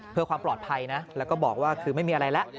เพื่อความปลอดภัยนะแล้วก็บอกว่าคือไม่มีอะไรแล้ว